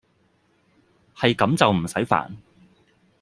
係咁就唔駛煩